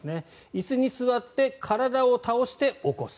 椅子に座って体を倒して起こす。